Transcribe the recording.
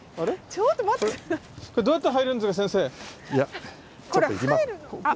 どうやって入るんですか？